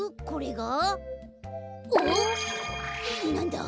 これが？ん！？